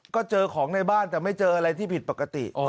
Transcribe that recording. ก็เจอของในบ้านแต่ไม่เจออะไรที่ผิดปกติ